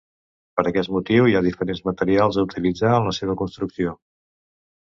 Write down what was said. Per aquest motiu hi ha diferents materials a utilitzar en la seva construcció.